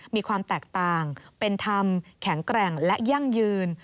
มีความแตกต่างเป็นธรรมแข็งแกร่งและยั่งยืน